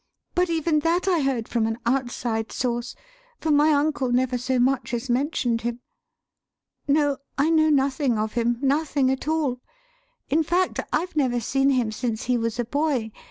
But even that I heard from an outside source; for my uncle never so much as mentioned him. No, I know nothing of him nothing at all. In fact, I've never seen him since he was a boy.